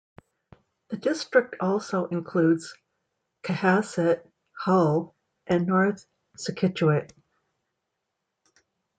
The district also includes Cohasset, Hull and North Scituate.